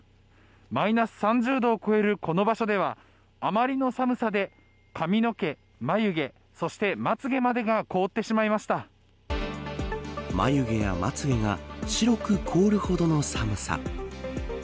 マイナス３０度を超えるこの場所ではあまりの寒さで髪の毛、眉毛、そしてまつげまでが眉毛やまつげが白く凍るほどの寒さ。